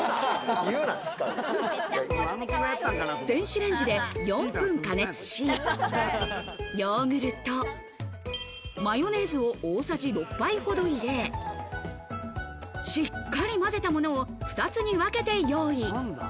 電子レンジで４分加熱し、ヨーグルト、マヨネーズを大さじ６杯ほど入れ、しっかり混ぜたものを２つに分けて用意。